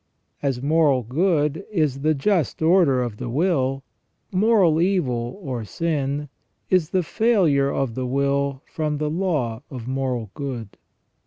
As moral good is the just order of the will, moral evil, or sin, is the failure of the will from the law of moral good.